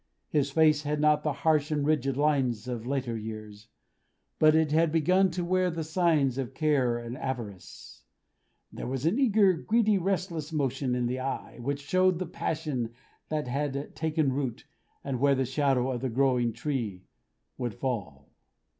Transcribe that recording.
His face had not the harsh and rigid lines of later years; but it had begun to wear the signs of care and avarice. There was an eager, greedy, restless motion in the eye, which showed the passion that had taken root, and where the shadow of the growing tree would fall.